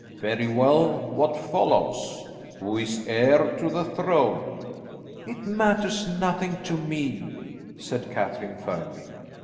Very well; what follows? Who is heir to the throne?" "It matters nothing to me," said Catherine firmly.